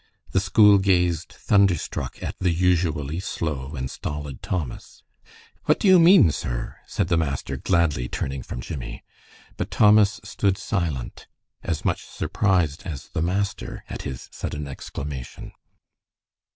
The school gazed thunderstruck at the usually slow and stolid Thomas. "What do you mean, sir?" said the master, gladly turning from Jimmie. But Thomas stood silent, as much surprised as the master at his sudden exclamation.